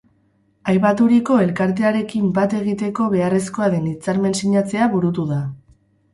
Aipaturiko elkartearekin bat egiteko beharrezkoa den hitzarmen-sinatzea burutu da.